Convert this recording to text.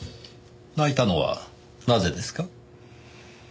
泣いたのはなぜですか？